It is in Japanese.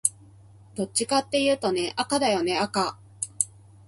どっちかっていうとね、赤だよね赤